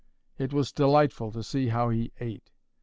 It was delightful to see how he ate.